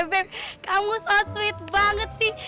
ihh beb kamu so sweet banget sih